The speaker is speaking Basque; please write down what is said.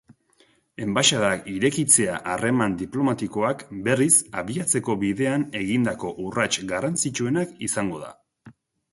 Enbaxadak irekitzea harreman diplomatikoak berriz abiatzeko bidean egindako urrats garrantzitsuena izango da.